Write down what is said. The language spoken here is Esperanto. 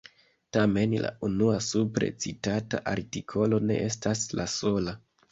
Tamen la unua supre citata artikolo ne estas la sola.